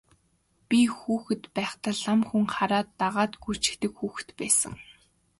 Би хүүхэд байхдаа лам хүн хараад л дагаад гүйчихдэг хүүхэд байсан.